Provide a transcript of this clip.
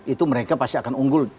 itu mereka pasti akan unggul